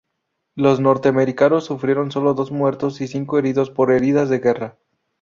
Los norteamericanos sufrieron sólo dos muertos y cinco heridos por heridas de guerra.